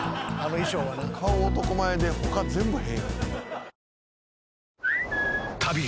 顔男前で他全部変。